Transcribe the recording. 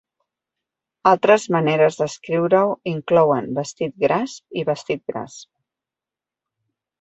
Altres maneres d'escriure-ho inclouen vestit gras i vestit-gras.